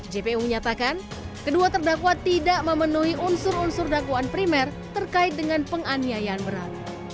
jpu menyatakan kedua terdakwa tidak memenuhi unsur unsur dakwaan primer terkait dengan penganiayaan berat